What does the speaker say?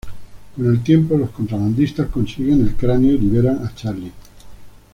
Con el tiempo los contrabandistas consiguen el cráneo, y liberan a Charlie.